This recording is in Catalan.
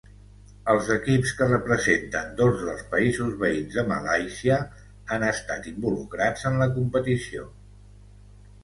Els equips que representen dos dels països veïns de Malàisia han estat involucrats en la competició.